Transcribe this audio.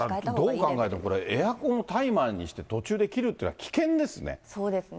どう考えても、これ、エアコンタイマーにして途中で切るってそうですね。